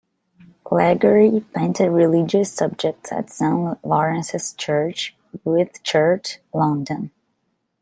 Laguerre painted religious subjects at Saint Lawrence's Church, Whitchurch, London.